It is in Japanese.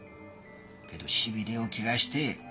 けどしびれを切らして。